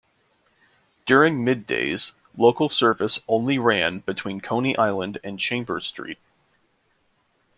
During middays, local service only ran between Coney Island and Chambers Street.